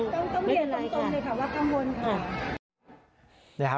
ต้องเรียนตรงเลยค่ะว่ากังวลค่ะ